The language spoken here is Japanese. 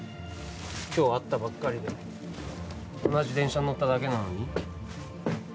今日会ったばっかりで、同じ電車に乗っただけなのに？